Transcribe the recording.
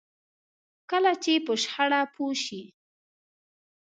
کله چې په شخړه پوه شئ.